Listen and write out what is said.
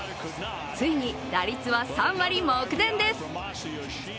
ついに打率は３割目前です。